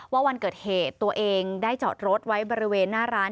วันเกิดเหตุตัวเองได้จอดรถไว้บริเวณหน้าร้าน